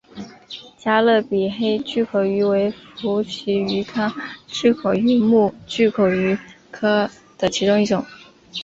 加勒比黑巨口鱼为辐鳍鱼纲巨口鱼目巨口鱼科的其中一种。